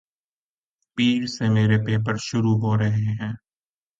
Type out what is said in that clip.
پیر سے میرے پیپر شروع ہورہے ھیںـ